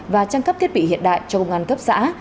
và trang cấp thiết bị hiện đại cho công an cấp xã